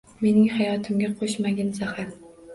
Mening hayotimga qo‘shmagin zahar.